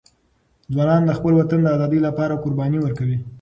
ځوانان د خپل وطن د ازادۍ لپاره قرباني ورکوي.